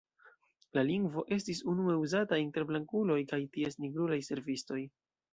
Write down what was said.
La lingvo estis unue uzata inter blankuloj kaj ties nigrulaj servistoj.